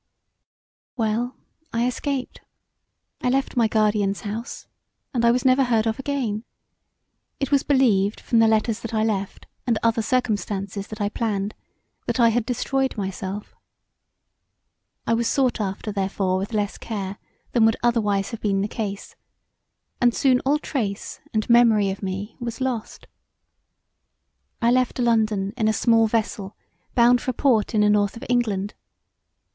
Well, I escaped. I left my guardian's house and I was never heard of again; it was believed from the letters that I left and other circumstances that I planned that I had destroyed myself. I was sought after therefore with less care than would otherwise have been the case; and soon all trace and memory of me was lost. I left London in a small vessel bound for a port in the north of England.